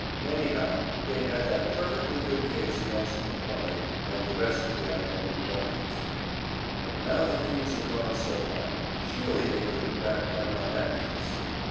Anyhow, they had that perfectly good case against McCormick and the rest of the I. W. Ws. And now that things had gone so far, surely they couldn't back down on that case!